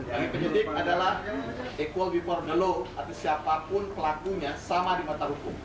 dari penyidik adalah equal before the law atau siapapun pelakunya sama di mata hukum